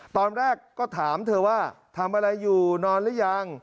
ตอนแรกก็ถามเธอว่าทำอะไรอยู่นอนหรือยัง